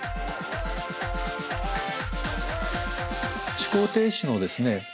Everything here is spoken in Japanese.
思考停止のですね